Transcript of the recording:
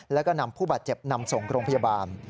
แล้วก็นำผู้บาดเจ็บนำส่งโรงพยาบาล